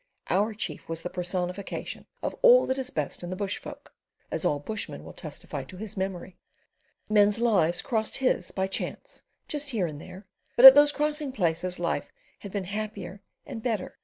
Our chief was the personification of all that is best in the bush folk (as all bushmen will testify to his memory)—men's lives crossed his by chance just here and there, but at those crossing places life have been happier and better.